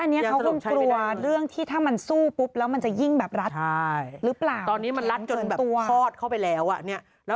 พี่ต้องเลิกมองจังหละแค่เป็นกระเป๋า